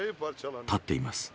立っています。